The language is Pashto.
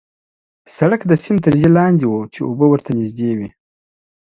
سړک د سیند تر ژۍ لاندې وو، چې اوبه ورته نژدې وې.